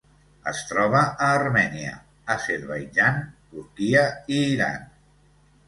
Es troba a Armènia, Azerbaidjan, Turquia i Iran.